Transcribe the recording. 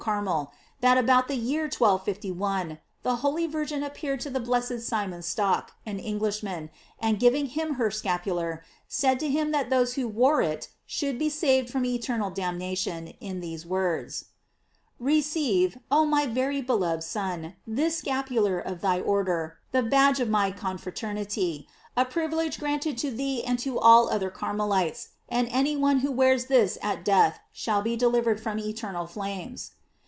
Carmel, that about the year 1251, the holy Virgin appeared to the blessed Simon Stock, an Englishman, and giving him her scapular, said to him that those who wore it should be saved from eternal damnation, in these words: "Re ceive, oh my very beloved son, this scapular of thy order, the badge of my confraternity, a privilege granted to thee and to all other car melites ; and any one who wears this at death shall be delivered from eternal flames.